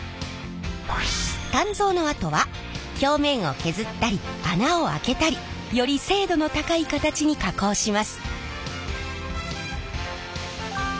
鍛造のあとは表面を削ったり穴を開けたりより精度の高い形に加工します。